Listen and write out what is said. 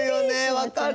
分かる。